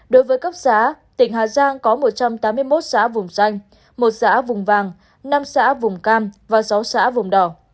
đối với cấp xã tỉnh hà giang có một trăm tám mươi một xã vùng xanh một xã vùng vàng năm xã vùng cao